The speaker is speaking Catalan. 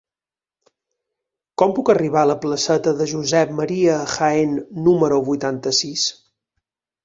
Com puc arribar a la placeta de Josep Ma. Jaén número vuitanta-sis?